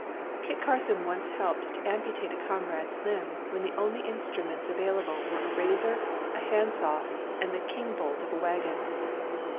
Kit Carson once helped to amputate a comrade's limb when the only instruments available were a razor, a handsaw, and the kingbolt of a wagon.